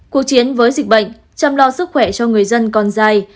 cuộc chiến với dịch bệnh chăm lo sức khỏe cho người dân còn dài